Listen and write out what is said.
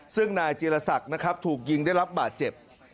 ซึ่งนายจีรศักดิ์นะครับถูกยิงได้รับบาดเจ็บ